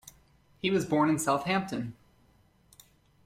He was born in Southampton.